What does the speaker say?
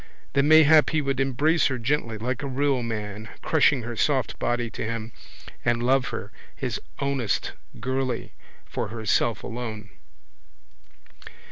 Then mayhap he would embrace her gently, like a real man, crushing her soft body to him, and love her, his ownest girlie, for herself alone.